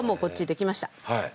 できました？